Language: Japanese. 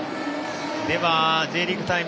では「Ｊリーグタイム」